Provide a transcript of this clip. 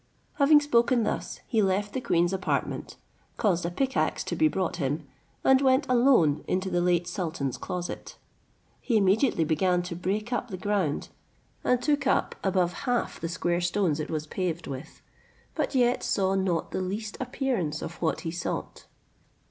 Having spoken thus, he left the queen's apartment, caused a pick axe to be brought him, and went alone into the late sultan's closet. He immediately began to break up the ground, and took up above half the square stones it was paved with, but yet saw not the least appearance of what he sought.